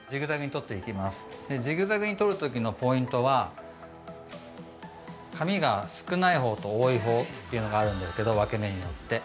ジグザグに取るときのポイントは髪が少ないほうと多いほうっていうのがあるんですけど分け目によって。